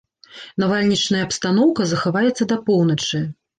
Навальнічная абстаноўка захаваецца да паўночы.